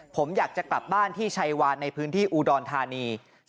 ผมอยากจะกลับบ้านที่ชัยวานในพื้นที่อุดรธานี